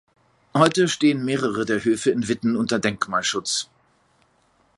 Heute stehen mehrere der Höfe in Witten unter Denkmalschutz.